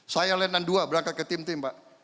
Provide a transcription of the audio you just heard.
saya datnan ii berangkat ke tim tim